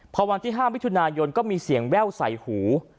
พอวันที่๕มิถุนายนก็มีเสียงแว่วใส่หู